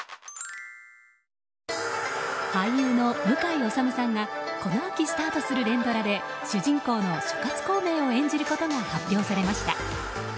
俳優の向井理さんがこの秋、スタートする連ドラで主人公の諸葛孔明を演じることが発表されました。